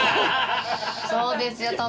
そうですよ殿。